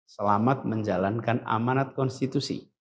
selamat menjalankan amanat konstitusi